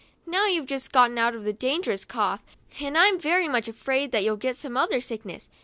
Now, you've just gotten over a dangerous cough, and I'm very much afraid that you'll get some other sickness.